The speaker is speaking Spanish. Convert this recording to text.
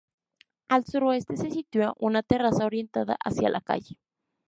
Al suroeste se sitúa una terraza orientada hacia la calle.